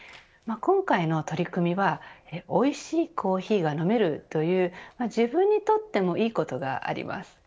今回の取り組みはおいしいコーヒーが飲めるという自分にとってもいいことがあります。